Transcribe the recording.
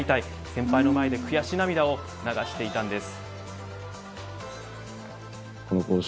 先輩の前で悔し涙を流していたんです。